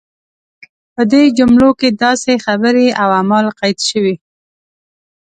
په دې جملو کې داسې خبرې او اعمال قید شوي.